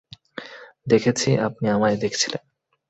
দেখেছি আপনি আমায় দেখছিলেন।